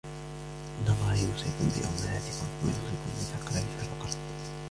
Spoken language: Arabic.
إنَّ اللَّهَ يُوصِيكُمْ بِأُمَّهَاتِكُمْ ثُمَّ يُوصِيكُمْ بِالْأَقْرَبِ فَالْأَقْرَبِ